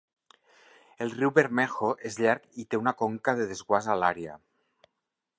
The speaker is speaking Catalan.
El riu Bermejo és llarg i té una conca de desguàs a l'àrea.